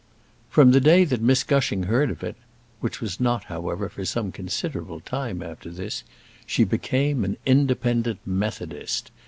From the day that Miss Gushing heard of it which was not however for some considerable time after this she became an Independent Methodist.